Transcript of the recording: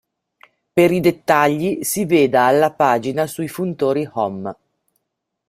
Per i dettagli, si veda la pagina sui funtori Hom.